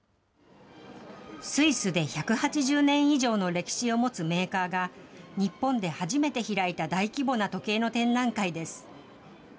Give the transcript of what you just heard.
スイスで１８０年以上の歴史を持つメーカーが、日本で初めて開いた大規模な時計の展覧会です。